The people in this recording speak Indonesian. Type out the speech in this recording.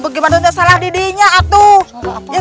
pake tim saja atu ini teh